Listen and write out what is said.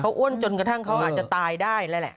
เขาอ้วนจนกระทั่งอาจจะตายได้เลยแหละ